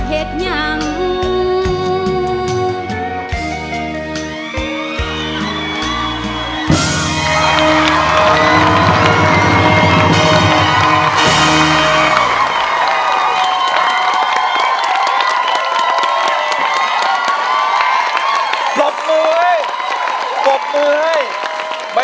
เห็ดอย่างมุม